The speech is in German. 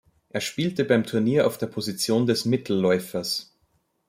Er spielte beim Turnier auf der Position des Mittelläufers.